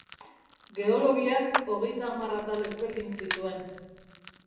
Geologiak hogeita hamar atal ezberdin zituen.